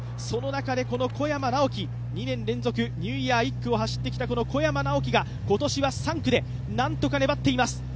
その中で２年連続ニューイヤー１区を走ってきた小山直城が今年は３区でなんとか粘っています